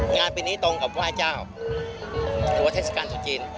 งานปีนี้ตรงกับไหว้เจ้าหรือว่าเทศกาลตรุษจีน